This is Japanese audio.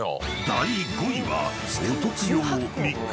［第５位は］